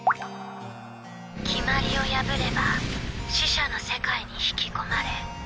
決まりを破れば死者の世界に引き込まれ